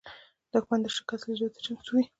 دښمن د شکست لیدلو ته چمتو وي